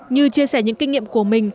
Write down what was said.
như chia sẻ những kinh nghiệm của mình